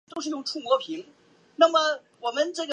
五月二十一日八国联军攻战大沽炮台。